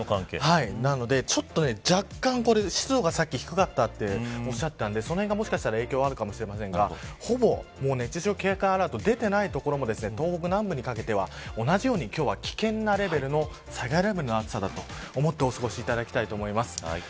なので若干、湿度が低かったとおっしゃったんでその辺がもしかしたら影響はあるかもしれませんがほぼ、熱中症警戒アラート出ていない所も東北南部にかけては同じように危険なレベルの災害レベルの暑さと思ってお過ごしいただきたいと思います。